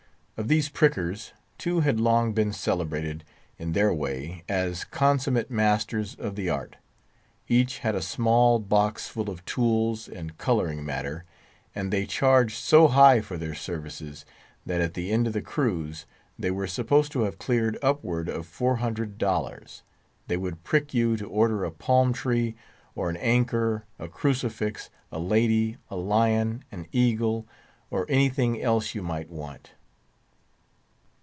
Of these prickers, two had long been celebrated, in their way, as consummate masters of the art. Each had a small box full of tools and colouring matter; and they charged so high for their services, that at the end of the cruise they were supposed to have cleared upward of four hundred dollars. They would prick you to order a palm tree, or an anchor, a crucifix, a lady, a lion, an eagle, or anything else you might want.